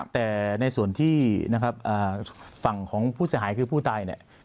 แต่ในส่วนที่ฝั่งของผู้สะหายคือผู้ตายเนี่ย